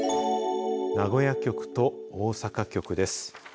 名古屋局と大阪局です。